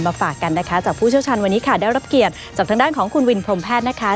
ฝากกันนะคะจากผู้เชี่ยวชาญวันนี้ค่ะได้รับเกียรติจากทางด้านของคุณวินพรมแพทย์นะคะ